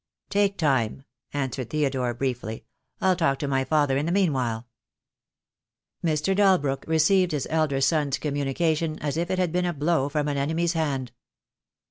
"Take time," answered Theodore, briefly. "I'll talk to my father in the meanwhile." Mr. Dalbrook received his elder son's communication as if it had been a blow from an enemy's hand.